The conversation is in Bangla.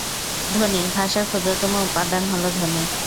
ধ্বনি: ভাষার ক্ষুদ্রতম উপাদান হলো ধ্বনি।